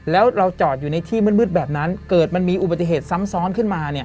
แล้วเราจอดอยู่ในที่มืดแบบนั้นเกิดมันมีอุบัติเหตุซ้ำซ้อนขึ้นมา